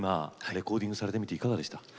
レコーディングされてみていかがでした？